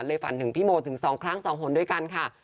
ฝันถึงพี่โมถึง๒ครั้ง๒หนด้วยกันค่ะ